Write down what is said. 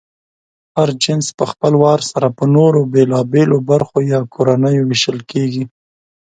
هر جنس پهخپل وار سره په نورو بېلابېلو برخو یا کورنیو وېشل کېږي.